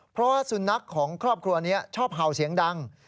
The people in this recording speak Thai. เพราะว่าสุนัขของครอบครัวนี้ชอบเห่าเสียงดัง